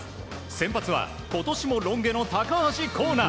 先発は今年もロン毛の高橋光成。